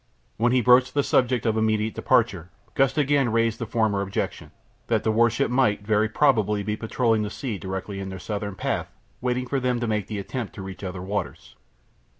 When he broached the subject of immediate departure Gust again raised his former objection—that the warship might very probably be patrolling the sea directly in their southern path, waiting for them to make the attempt to reach other waters.